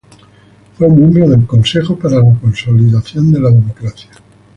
Fue miembro del Consejo para la Consolidación de la Democracia.